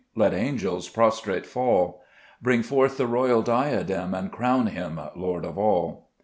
Let angels prostrate fall ; Bring forth the royal diadem, And crown Him Lord of all.